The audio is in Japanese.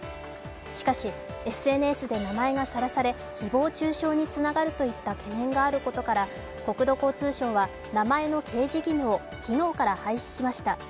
しかしＳＮＳで名前がさらされ誹謗中傷につながるといった懸念があることから国土交通省は、名前の刑事義務を昨日から廃止しました。